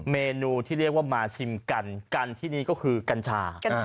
เมนูที่เรียกว่ามาชิมกันกันที่นี่ก็คือกัญชา